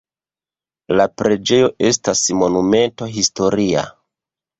La preĝejo estas monumento historia.